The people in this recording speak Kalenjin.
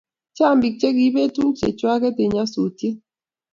Chang pik chekibet tuguk chechawanget en nyasutiet